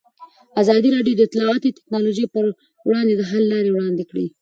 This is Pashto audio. ازادي راډیو د اطلاعاتی تکنالوژي پر وړاندې د حل لارې وړاندې کړي.